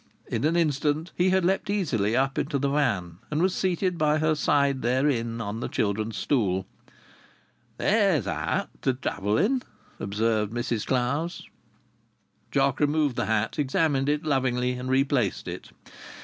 In an instant he had leapt easily up into the van, and was seated by her side therein on the children's stool. "That's a hat to travel in!" observed Mrs Clowes. Jock removed the hat, examined it lovingly and replaced it.